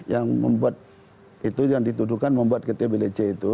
yang membuat itu yang dituduhkan membuat ktblc itu